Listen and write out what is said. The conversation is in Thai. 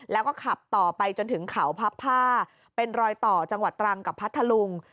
แล้วก็ขับต่อไปจนถึงเขาพับผ้าเป็นรอยต่อจังหวัดตรังกับพัทธลุง